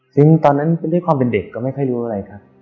ชิมตอนนั้นใช้ความเป็นเด็กไม่ได้รู้อะไรครับ